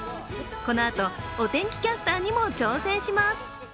このあと、お天気キャスターにも挑戦します。